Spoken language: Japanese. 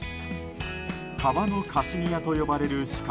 革のカシミヤと呼ばれるシカ